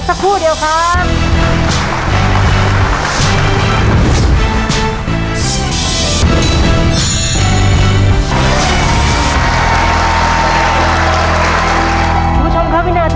สักครู่เดียวครับ